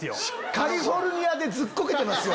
カリフォルニアでずっこけてますよ